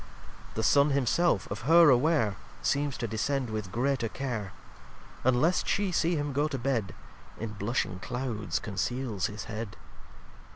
The Sun himself, of Her aware, Seems to descend with greater Care, And lest She see him go to Bed, In blushing Clouds conceales his Head.